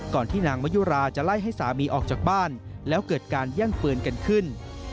ที่นางมะยุราจะไล่ให้สามีออกจากบ้านแล้วเกิดการแย่งปืนกันขึ้น